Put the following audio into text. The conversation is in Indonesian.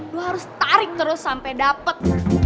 lo harus tarik terus sampai dapet